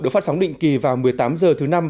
được phát sóng định kỳ vào một mươi tám h thứ năm